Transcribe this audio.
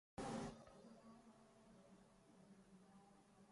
یہ وہ وقت تھا کہ پاکستان میں زیادہ لوگ ان کے نام سے آشنا نہیں تھے